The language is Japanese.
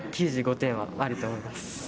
９５点はあると思います。